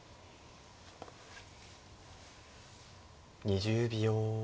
２０秒。